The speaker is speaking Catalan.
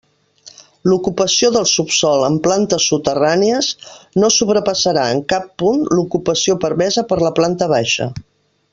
L'ocupació del subsòl en plantes soterrànies no sobrepassarà en cap punt l'ocupació permesa per a la planta baixa.